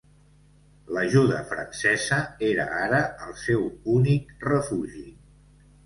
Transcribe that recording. L'ajuda francesa era ara el seu únic refugi.